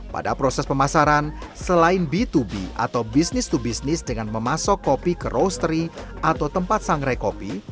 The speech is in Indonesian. pada proses pemasaran selain b dua b atau business to business dengan memasok kopi ke roastery atau tempat sangrai kopi